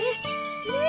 ねえ？